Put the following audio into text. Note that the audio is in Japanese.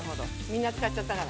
みんな使っちゃったから。